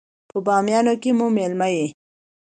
په بامیانو کې مو مېلمه يې.